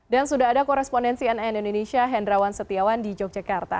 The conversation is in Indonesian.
dan sudah ada korespondensi nn indonesia hendrawan setiawan di yogyakarta